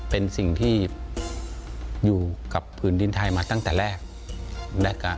เป็นสิ่งที่อยู่กับผืนดินไทยมาตั้งแต่แรก